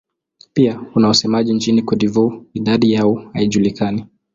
Pia kuna wasemaji nchini Cote d'Ivoire; idadi yao haijulikani.